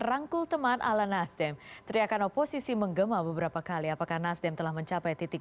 rangkul teman ala nasdem teriakan oposisi menggema beberapa kali apakah nasdem telah mencapai titik